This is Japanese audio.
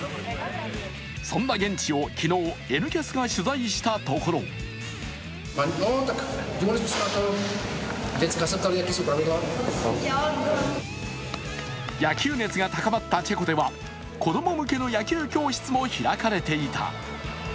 そんな現地を「Ｎキャス」が取材したところ野球熱が高まったチェコでは子供向けの野球教室も開かれていた。